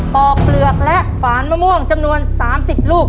อกเปลือกและฝานมะม่วงจำนวน๓๐ลูก